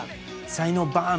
才能バーン！